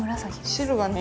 汁がね